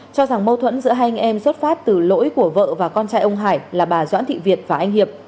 cho rằng mâu thuẫn giữa hai anh em xuất phát từ lỗi của vợ và con trai ông hải là bà doãn thị việt và anh hiệp